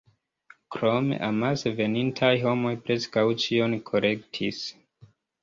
Krome, amase venintaj homoj preskaŭ ĉion kolektis.